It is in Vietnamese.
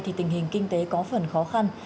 thì tình hình kinh tế có phần khó khăn